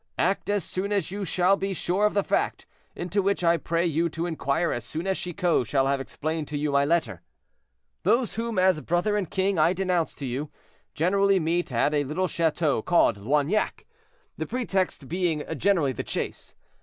Act as soon as you shall be sure of the fact, into which I pray you to inquire as soon as Chicot shall have explained to you my letter. "'Those whom as brother and king I denounce to you, generally meet at a little chateau called Loignac, the pretext being generally the chase.